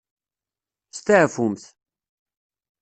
Steɛfumt.